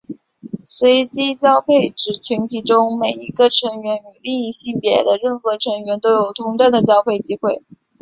随机交配指群体中每一个成员与另一性别的任何成员都有同等的交配机会。